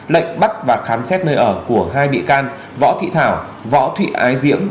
lệnh bắt và khám xét nơi ở của hai bị can võ thị thảo võ thị ái diễm